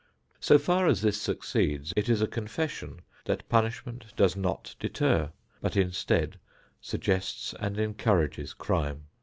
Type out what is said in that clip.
So far as this succeeds, it is a confession that punishment does not deter, but instead suggests and encourages crime.